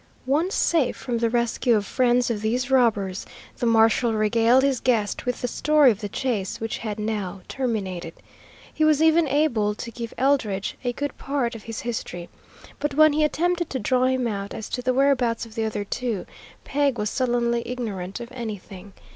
Once safe from the rescue of friends of these robbers, the marshal regaled his guest with the story of the chase, which had now terminated. He was even able to give Eldridge a good part of his history. But when he attempted to draw him out as to the whereabouts of the other two, Peg was sullenly ignorant of anything.